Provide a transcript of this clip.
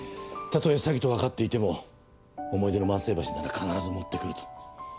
たとえ詐欺とわかっていても思い出の万世橋なら必ず持ってくると。